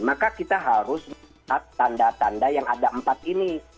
maka kita harus melihat tanda tanda yang ada empat ini